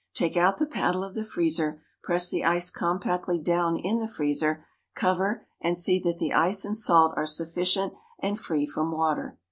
Take out the paddle of the freezer, press the ice compactly down in the freezer, cover, and see that the ice and salt are sufficient and free from water.